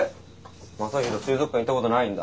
将大水族館行ったことないんだ。